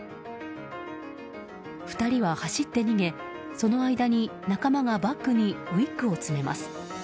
２人は走って逃げ、その間に仲間がバッグにウィッグを詰めます。